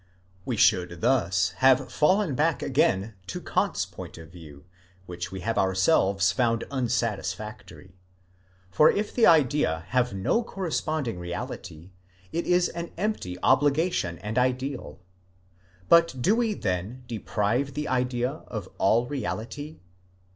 We should thus have fallen back again to Kant's point of view, which we have ourselves found unsatisfactory : for if the idea have no corresponding reality, it is an empty obligation and ideal. But do we then deprive the idea of all reality?